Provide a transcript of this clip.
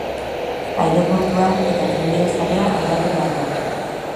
Aireportua eta trenbide sarea aldatu behar da.